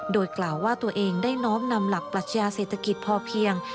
โดยกล่าวว่าตัวเองได้น้อมนำหลักปรัชญาเศรษฐกิจพอเพียง